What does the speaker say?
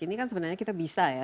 ini kan sebenarnya kita bisa ya